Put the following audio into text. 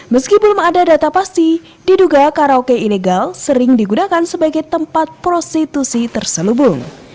meski belum ada data pasti diduga karaoke ilegal sering digunakan sebagai tempat prostitusi terselubung